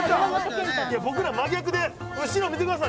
僕ら真逆で、後ろ見てください。